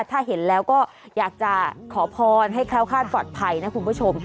ถ้าเห็นแล้วก็อยากจะขอพรให้แคล้วคาดปลอดภัยนะคุณผู้ชม